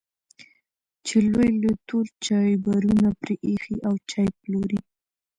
چا لوی لوی تور چایبرونه پرې ایښي او چای پلوري.